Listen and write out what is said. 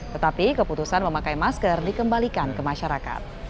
tetapi keputusan memakai masker dikembalikan ke masyarakat